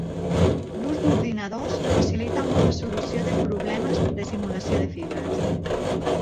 L'ús d'ordinadors facilita molt la solució de problemes de simulació de fibres.